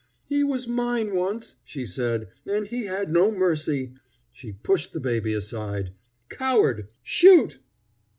"He was mine once," she said, "and he had no mercy." She pushed the baby aside. "Coward, shoot!"